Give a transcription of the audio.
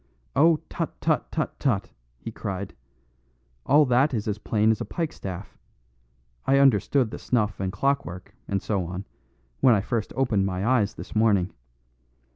"Oh, tut, tut, tut, tut!" he cried. "All that is as plain as a pikestaff. I understood the snuff and clockwork, and so on, when I first opened my eyes this morning.